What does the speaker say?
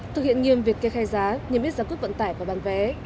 thực hiện nghiêm việc kê khai giá nhiệm ít giám cước vận tải và bàn vé